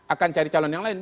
akan cari calon yang lain